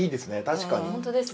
確かに。